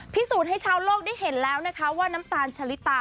พิสูจน์ให้ชาวโลกได้เห็นแล้วนะคะว่าน้ำตาลชะลิตา